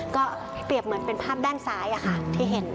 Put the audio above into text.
ก็เปรียบเหมือนเป็นภาพด้านซ้ายที่เห็น